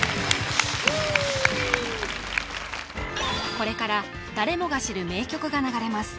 これから誰もが知る名曲が流れます